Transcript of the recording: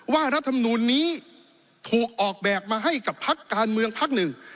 ว่ารับธรรมนูลนี้ถูกออกแบบมาให้กับภักดิ์การเมืองภักดิ์หนึ่ง